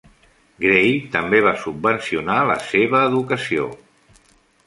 Gray també va subvencionar la seva educació.